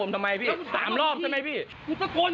มึงนึกว่าข้ามเขาบ้าง